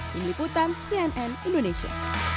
diliputan cnn indonesia